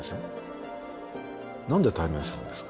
何で対面するんですか？